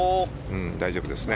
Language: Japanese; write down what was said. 大丈夫ですね。